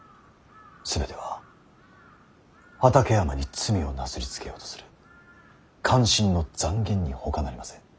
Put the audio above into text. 全ては畠山に罪をなすりつけようとする奸臣の讒言にほかなりません。